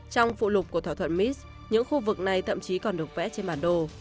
trong phụ lục của thỏa thuận mis những khu vực này thậm chí còn được vẽ trên bản đồ